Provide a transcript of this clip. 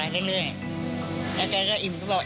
แล้วก็ก็อิ่มก็บอก